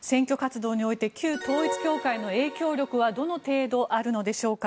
選挙活動において旧統一教会の影響力はどの程度あるのでしょうか。